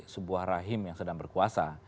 sebuah rahim yang sedang berkuasa